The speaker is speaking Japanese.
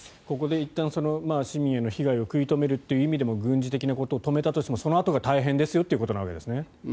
ここでいったん市民への被害を食い止めるといった意味で軍事的なことを止めたとしてもそのあとが大変ですよということですね。